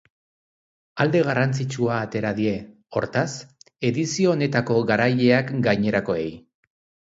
Alde garrantzitsua atera die, hortaz, edizio honetako garaileak gainerakoei.